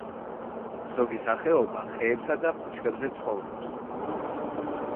ზოგი სახეობა ხეებსა და ბუჩქებზე ცხოვრობს.